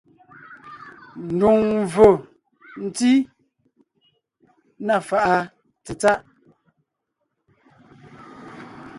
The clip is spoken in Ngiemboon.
Ndùŋmvfò ntí (na fàʼa tsetsáʼ).